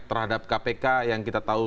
terhadap kpk yang kita tahu